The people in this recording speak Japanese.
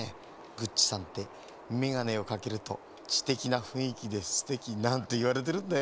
「グッチさんってメガネをかけるとちてきなふんいきでステキ」なんていわれてるんだよ。